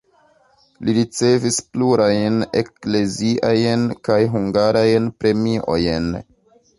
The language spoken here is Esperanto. Li ricevis plurajn ekleziajn kaj hungarajn premiojn.